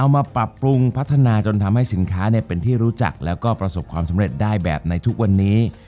มาปรับปรุงพัฒนาจนทำให้สินค้าเป็นที่รู้จักแล้วก็ประสบความสำเร็จได้แบบในทุกวันนี้